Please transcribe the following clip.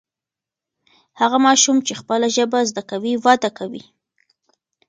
هغه ماشوم چې خپله ژبه زده کوي وده کوي.